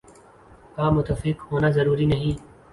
آپ کا متفق ہونا ضروری نہیں ۔